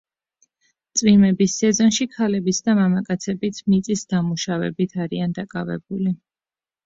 წვიმების სეზონში ქალებიც და მამაკაცებით მიწის დამუშავებით არიან დაკავებული.